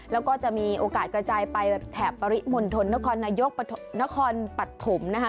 แล้วก็จะมีโอกาสกระจายไปแถบปริมณฑลนครนายกนครปฐมนะคะ